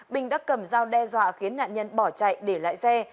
bình đã cầm dao đe dọa khiến nạn nhân bỏ chạy để lại xe